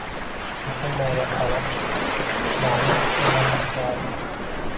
Bu shunday bir holatki, kishilarni o‘ylantirib qo‘yadi